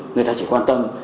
người ta chỉ quan tâm